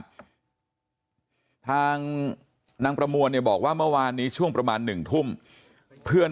นะครับทางนางประมวลบอกว่าเมื่อวานนี้ช่วงประมาณ๑ทุ่มเพื่อน